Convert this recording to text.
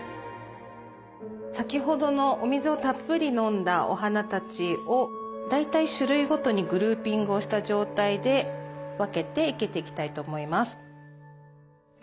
先ほどのお水をたっぷり飲んだお花たちを大体種類ごとにグルーピングをした状態で分けて生けていきたいと思います。